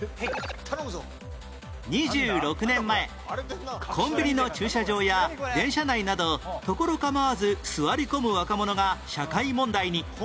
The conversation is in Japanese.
２６年前コンビニの駐車場や電車内など所構わず座り込む若者が社会問題に